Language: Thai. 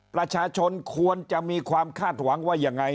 ประชาชนควรจะมีความคาดหวังว่ายังไง